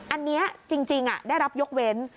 อันนี้จริงได้รับยกเว้น